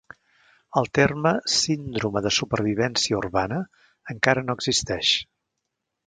El terme síndrome de supervivència urbana encara no existeix.